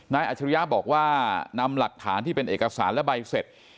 อาจริยะบอกว่านำหลักฐานที่เป็นเอกสารและใบเสร็จ